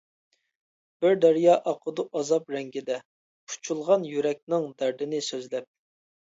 بىر دەريا ئاقىدۇ ئازاب رەڭگىدە، پۇچۇلغان يۈرەكنىڭ دەردىنى سۆزلەپ.